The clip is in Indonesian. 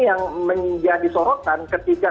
yang menjadi sorotan ketika